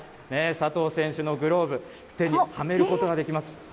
佐藤選手のグローブ、手にはめることができます。